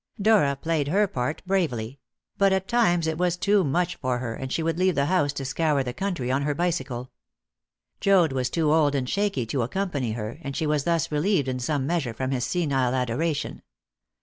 Dora played her part bravely; but at times it was too much for her, and she would leave the house to scour the country on her bicycle. Joad was too old and shaky to accompany her, and she was thus relieved in some measure from his senile adoration.